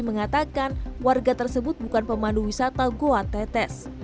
mengatakan warga tersebut bukan pemandu wisata goa tetes